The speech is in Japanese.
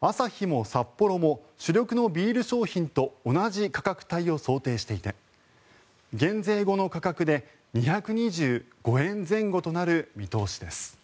アサヒもサッポロも主力のビール商品と同じ価格帯を想定していて減税後の価格で２２５円前後となる見通しです。